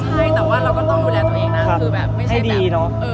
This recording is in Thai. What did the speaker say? ใช่แต่เราก็ต้องดูแลตัวเองนะ